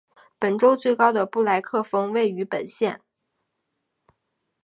本州最高的布莱克峰位于本县。